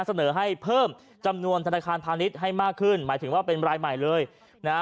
เสนอให้เพิ่มจำนวนธนาคารพาณิชย์ให้มากขึ้นหมายถึงว่าเป็นรายใหม่เลยนะฮะ